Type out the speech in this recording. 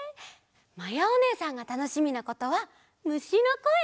まやおねえさんがたのしみなことはむしのこえ！